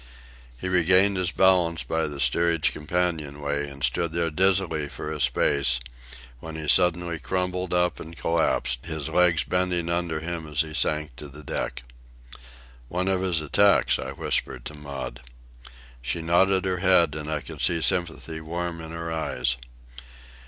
He regained his balance by the steerage companion way and stood there dizzily for a space, when he suddenly crumpled up and collapsed, his legs bending under him as he sank to the deck. "One of his attacks," I whispered to Maud. She nodded her head; and I could see sympathy warm in her eyes.